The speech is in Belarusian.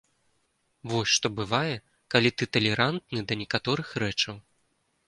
Вось што бывае, калі ты талерантны да некаторых рэчаў.